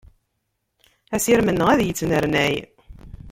Asirem-nneɣ ad yettnernay.